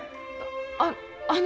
あっあの。